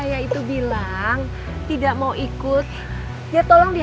jika dia bilang tidak itu artinya tidak